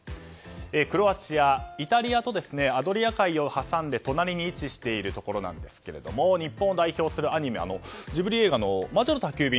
クロアチア、イタリアとアドリア海を挟んで隣に位置しているところですが日本を代表するジブリ映画の「魔女の宅急便」